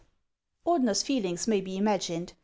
Ordener's feelings may be imagined.